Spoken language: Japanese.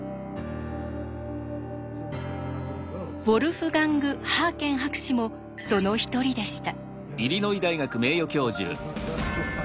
ウォルフガング・ハーケン博士もその一人でした。